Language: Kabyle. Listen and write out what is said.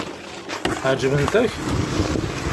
Ɛeǧbent-ak?